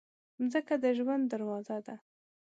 مځکه د ژوند دروازه ده.